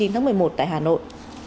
hai mươi chín tháng một mươi một tại hà nội